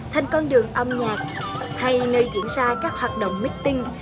thành con đường âm nhạc hay nơi diễn ra các hoạt động meeting